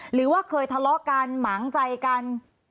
หรือว่าเคยทะเลาะกันหมางใจกัน